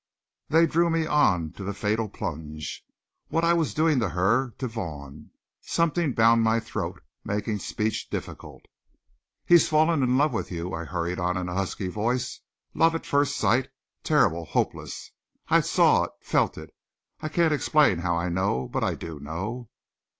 They drew me on to the fatal plunge. What was I doing to her to Vaughn? Something bound my throat, making speech difficult. "He's fallen in love with you," I hurried on in a husky voice. "Love at first sight! Terrible! Hopeless! I saw it felt it. I can't explain how I know, but I do know.